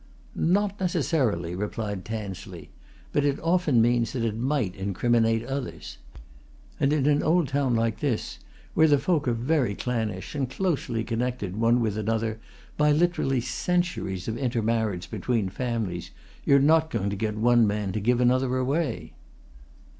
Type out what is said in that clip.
"Not necessarily," replied Tansley. "But it often means that it might incriminate others. And in an old town like this, where the folk are very clannish and closely connected one with another by, literally, centuries of intermarriage between families, you're not going to get one man to give another away."